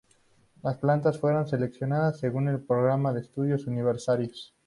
Las plantas fueron seleccionadas según el programa de estudios universitarios.